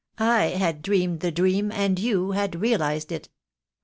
I had dreamed the dream and you had realized it.